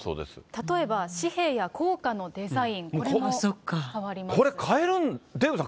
例えば紙幣や硬貨のデザイン、これも変わります。